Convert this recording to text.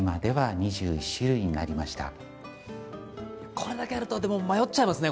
これだけあると迷っちゃいますね？